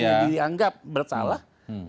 yang dianggap bersalah